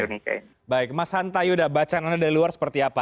oke baik mas hanta yuda bacaan anda dari luar seperti apa